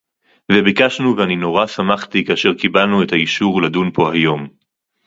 וביקשנו ואני נורא שמחתי כאשר קיבלנו את האישור לדון פה היום